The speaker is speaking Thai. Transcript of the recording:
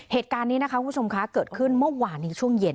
เหตุการณ์นี้นะคะคุณผู้ชมคะเกิดขึ้นเมื่อวานในช่วงเย็น